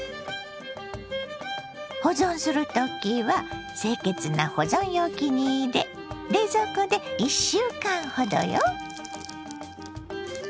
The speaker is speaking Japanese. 保存する時は清潔な保存容器に入れ冷蔵庫で１週間ほどよ。